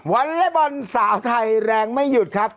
อลเล็บอลสาวไทยแรงไม่หยุดครับ